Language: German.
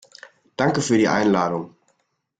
Danke für die Einladung.